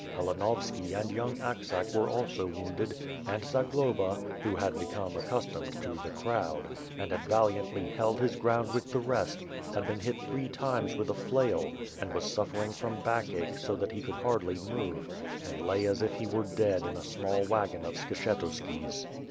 Palanovski and young Aksak were also wounded, and Zagloba, who had become accustomed to the crowd, and had valiantly held his ground with the rest, had been hit three times with a flail and was suffering from backache so that he could hardly move, and lay as if he were dead in a small wagon of Skshetu ski's.